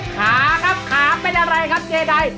ขาครับขาเป็นอะไรครับเจใด